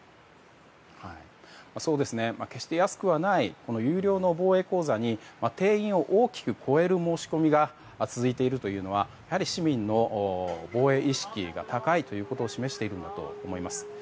決して安くはない有料の防衛講座に定員を大きく超える申し込みが続いているというのは市民の防衛意識が高いということを示しているんだと思います。